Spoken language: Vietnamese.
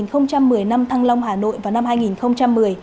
để kỷ niệm một một mươi năm thăng long hà nội vào năm hai nghìn một mươi